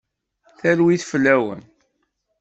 Talwit fell-awen.